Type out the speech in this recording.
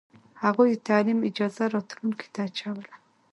هغوی د تعلیم اجازه راتلونکې ته اچوله.